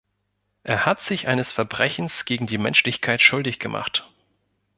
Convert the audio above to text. Er hat sich eines Verbrechens gegen die Menschlichkeit schuldig gemacht.